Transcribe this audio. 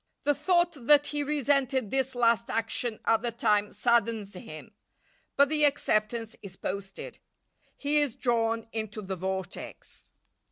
The thought that he resented this last action at the time saddens him, but the acceptance is posted. He is drawn into the vortex.